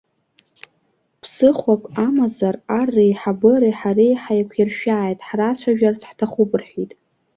Ԥсыхәак амазар, ар реиҳабыреи ҳареи ҳаиқәиршәааит, ҳрацәажәарц ҳҭахуп рҳәеит.